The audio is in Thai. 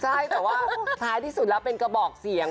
ใช่แต่ว่าท้ายที่สุดแล้วเป็นกระบอกเสียง